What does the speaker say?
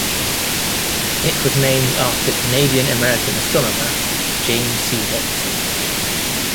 It was named after the Canadian-American astronomer James C. Watson.